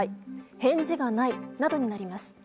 返事がないなどになります。